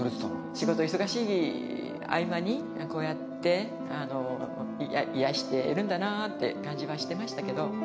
仕事忙しい合間にこうやって癒やしてるんだなって感じはしてましたけど。